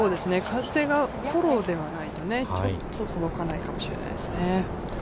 風がフォローではないと、ちょっと届かないかもしれないですね。